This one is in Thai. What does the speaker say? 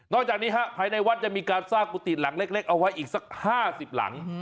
จากนี้ภายในวัดยังมีการสร้างกุฏิหลังเล็กเอาไว้อีกสัก๕๐หลัง